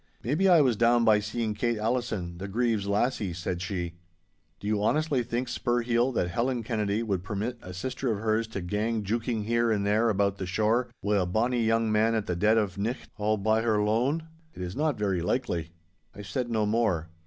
'Maybe I was down by seeing Kate Allison, the Grieve's lassie,' said she. 'Do you honestly think, Spurheel, that Helen Kennedy would permit a sister of hers to gang jooking here and there about the shore wi' a bonny young man at the dead of nicht all by her lone? It is not very likely.' I said no more.